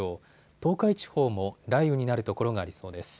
東海地方も雷雨になるところがありそうです。